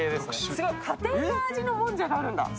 すごい、家庭の味のもんじゃがあるんだ。